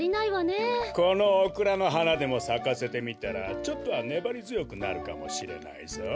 このオクラのはなでもさかせてみたらちょっとはねばりづよくなるかもしれないぞ。